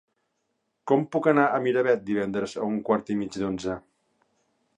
Com puc anar a Miravet divendres a un quart i mig d'onze?